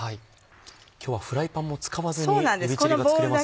今日はフライパンも使わずにえびチリが作れますね。